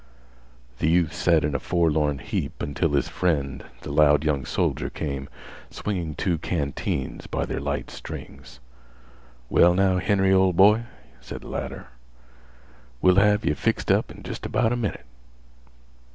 The youth sat in a forlorn heap until his friend the loud young soldier came, swinging two canteens by their light strings. "Well, now, Henry, ol' boy," said the latter, "we'll have yeh fixed up in jest about a minnit."